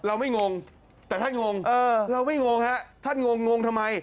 เราไม่งงแต่ท่านงงเออเราไม่งงฮะท่านงงงทำไม